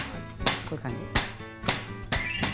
こういう感じ。